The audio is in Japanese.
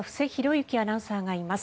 倖アナウンサーがいます。